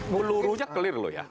berluruhnya clear loh ya